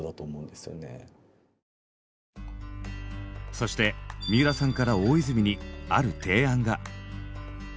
そして三浦さんから大泉にある提案が。